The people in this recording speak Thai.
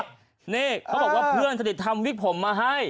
นี่เขาบอกว่าเพื่อนสนิททำวิกผมมาให้